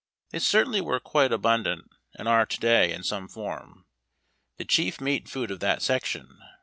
They certainly were quite abundant, and are to day, in some form, the chief meat food of that section.